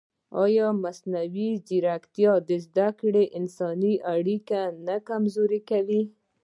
ایا مصنوعي ځیرکتیا د زده کړې انساني اړیکه نه کمزورې کوي؟